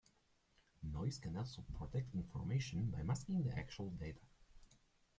Noise can also protect information by masking the actual data.